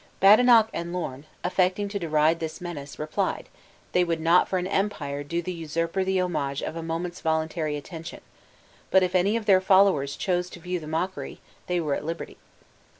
Badenoch and Lorn, affecting to deride this menace, replied, they would not for an empire do the usurper the homage of a moment's voluntary attention; but if any of their followers chose to view the mockery, they were at liberty.